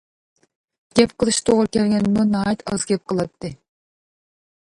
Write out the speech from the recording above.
گەپ قىلىشقا توغرا كەلگەندىمۇ ناھايىتى ئاز گەپ قىلاتتى.